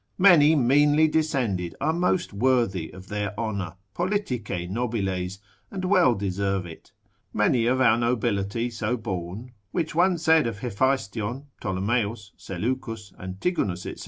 Many meanly descended are most worthy of their honour, politice nobiles, and well deserve it. Many of our nobility so born (which one said of Hephaestion, Ptolemeus, Seleucus, Antigonus, &c.